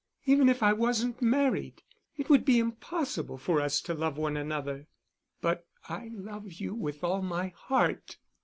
Even if I wasn't married, it would be impossible for us to love one another." "But I love you with all my heart."